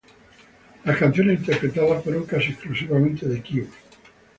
Las canciones interpretadas fueron casi exclusivamente de Kyuss.